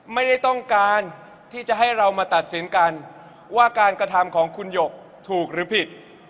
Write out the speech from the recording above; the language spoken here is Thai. ไม่ได้ต้องการที่จะให้เรามาตัดสินกันว่าการกระทำของคุณหยกถูกหรือผิด